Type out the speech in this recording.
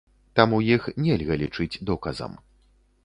Таму іх нельга лічыць доказам.